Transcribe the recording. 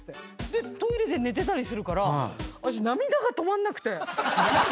でトイレで寝てたりするから私涙が止まんなくて。